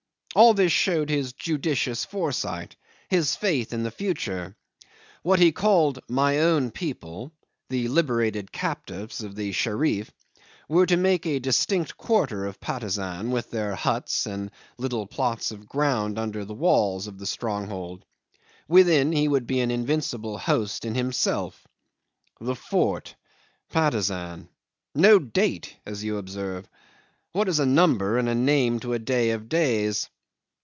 All this showed his judicious foresight, his faith in the future. What he called "my own people" the liberated captives of the Sherif were to make a distinct quarter of Patusan, with their huts and little plots of ground under the walls of the stronghold. Within he would be an invincible host in himself "The Fort, Patusan." No date, as you observe. What is a number and a name to a day of days?